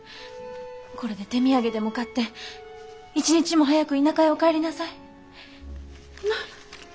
これで手土産でも買って一日も早く田舎へお帰りなさい。